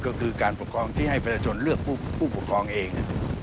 ก็คือการปกครองที่ให้ประชาชนเลือกผู้ปกครองเอง